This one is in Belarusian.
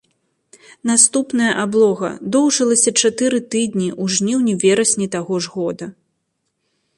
Наступная аблога доўжылася чатыры тыдні ў жніўні-верасні таго ж года.